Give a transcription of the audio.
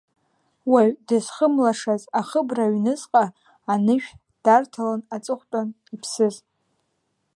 Уаҩы дызхымлашаз ахыбра аҩныҵҟа анышә дарҭалон аҵыхәтәан иԥсыз.